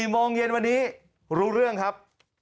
โมงเย็นวันนี้รู้เรื่องครับ